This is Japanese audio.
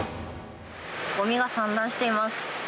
ごみが散乱しています。